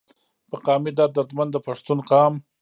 پۀ قامي درد دردمند د پښتون قام